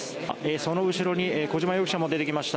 その後ろに小島容疑者も出てきました。